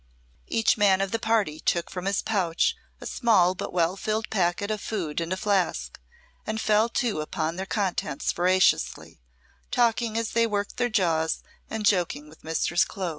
Each man of the party took from his pouch a small but well filled packet of food and a flask, and fell to upon their contents voraciously, talking as they worked their jaws and joking with Mistress Clo.